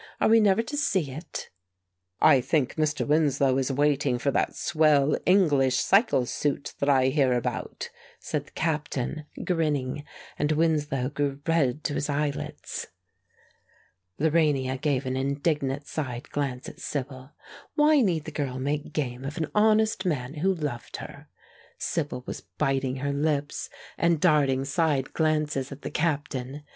Are we never to see it?" "I think Mr. Winslow is waiting for that swell English cycle suit that I hear about," said the captain, grinning; and Winslow grew red to his eyelids. Lorania gave an indignant side glance at Sibyl. Why need the girl make game of an honest man who loved her? Sibyl was biting her lips and darting side glances at the captain.